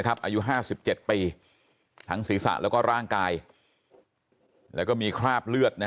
อายุ๕๗ปีทั้งศีรษะแล้วก็ร่างกายแล้วก็มีคราบเลือด